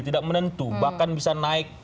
tidak menentu bahkan bisa naik